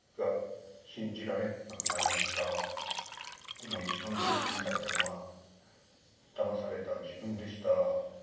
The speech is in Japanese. でも一番許せなかったのはだまされた自分でした。